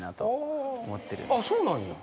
そうなんや。